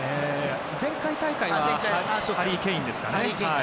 前回大会はハリー・ケインですかね。